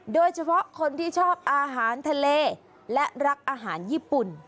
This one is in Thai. โดยเฉพาะคนที่ชอบอาหารทะเลและรักอาหารญี่ปุ่น